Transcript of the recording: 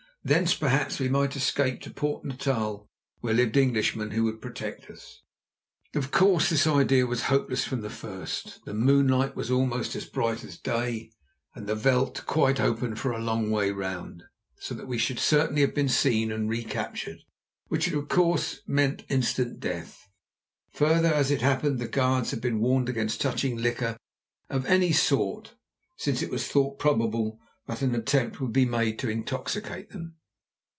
Thence, perhaps, we might escape to Port Natal where lived Englishmen who would protect us. Of course this idea was hopeless from the first. The moonlight was almost as bright as day, and the veld quite open for a long way round, so that we should certainly have been seen and re captured, which of course would have meant instant death. Further, as it happened, the guards had been warned against touching liquor of any sort since it was thought probable that an attempt would be made to intoxicate them.